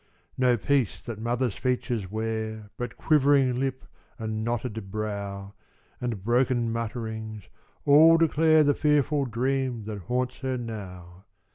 No peace that mother's features wear; But quivering lip, and knotted brow, And broken mutterings, all declare The fearful dream that haunts her now.